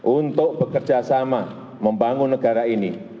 untuk bekerja sama membangun negara ini